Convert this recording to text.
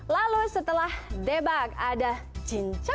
lalu setelah debak ada cinca